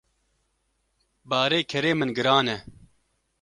Barê kerê min giran e.